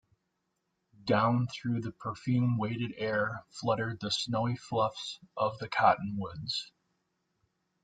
Down through the perfume weighted air fluttered the snowy fluffs of the cottonwoods.